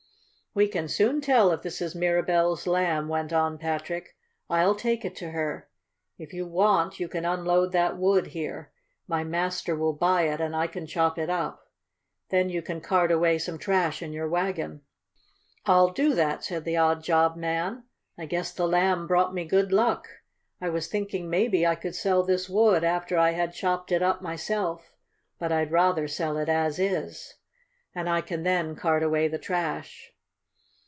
"We can soon tell if this is Mirabell's Lamb," went on Patrick. "I'll take it to her. If you want to you can unload that wood here. My master will buy it and I can chop it up. Then you can cart away some trash in your wagon." "I'll do that," said the odd job man. "I guess the Lamb brought me good luck. I was thinking maybe I could sell this wood after I had chopped it up myself, but I'd rather sell it as it is. And I can then cart away the trash."